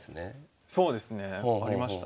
そうですね。ありましたね。